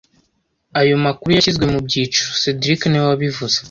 Ayo makuru yashyizwe mu byiciro cedric niwe wabivuze